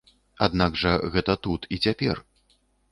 Аднак жа гэта тут і цяпер!